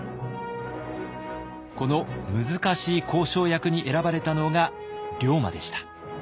この難しい交渉役に選ばれたのが龍馬でした。